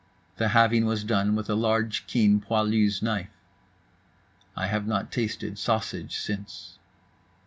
The halving was done with a large keen poilu's knife. I have not tasted a sausage since.